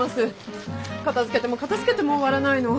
片づけても片づけても終わらないの。